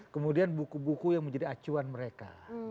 kemudian buku buku yang menjadi acuan mereka